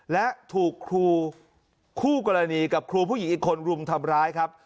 และถูกครูคู่กรณีกับครูผู้หญิงอีกคนรุมทำร้ายครับ